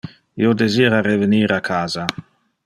Io desira revenir a casa.